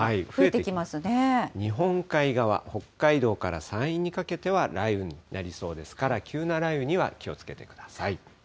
日本海側、北海道から山陰にかけては雷雨になりそうですから、急な雷雨には気をつけてください。